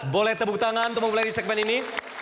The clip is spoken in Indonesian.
boleh tepuk tangan untuk memulai di segmen ini